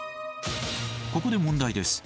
ここで問題です。